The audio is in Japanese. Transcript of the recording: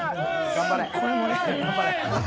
頑張れ。